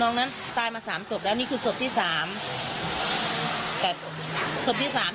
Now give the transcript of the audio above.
เธอก็เชื่อว่ามันคงเป็นเรื่องความเชื่อที่บรรดองนำเครื่องเส้นวาดผู้ผีปีศาจเป็นประจำ